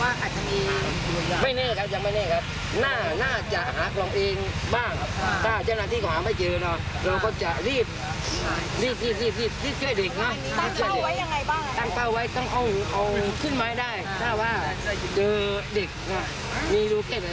ความว่าอาจจะมี